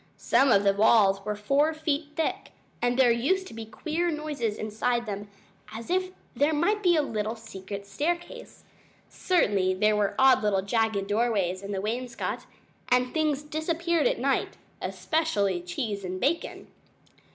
Some of the walls were four feet thick, and there used to be queer noises inside them, as if there might be a little secret staircase. Certainly there were odd little jagged doorways in the wainscot, and things disappeared at night especially cheese and bacon.